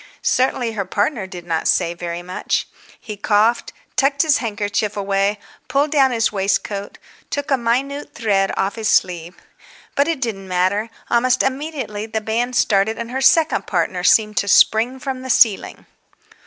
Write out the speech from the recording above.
Certainly her partner did not say very much. He coughed, tucked his handkerchief away, pulled down his waistcoat, took a minute thread off his sleeve. But it didn't matter. Almost immediately the band started and her second partner seemed to spring from the ceiling.